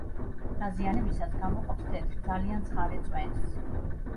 დაზიანებისას გამოყოფს თეთრ, ძალიან ცხარე წვენს.